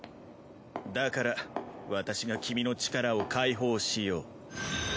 だから私が君の力を解放しよう。